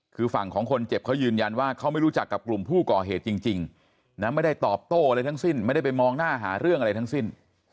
คือฝั่งของคนเจ็บเขายืนยันว่าเขาไม่รู้จักกับกลุ่มผู้ก่อเหตุจริงนะไม่ได้ตอบโต้อะไรทั้งสิ้นไม่ได้ไปมองหน้าหาเรื่องอะไรทั้งสิ้น